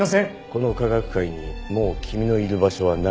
この科学界にもう君のいる場所はない。